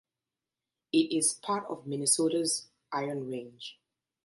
It is part of Minnesota's Iron Range.